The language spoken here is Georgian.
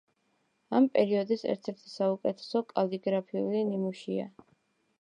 ამ პერიოდის ერთ-ერთი საუკეთესო კალიგრაფიული ნიმუშია.